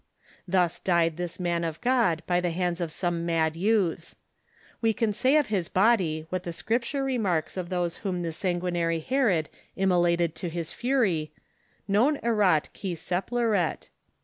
Thus died this man of God by the hands of some mad youths. We can say of his body what the Scripture remarks of those whom the sanguinary Herod immolated to his fury, " Non erat qui sepileret."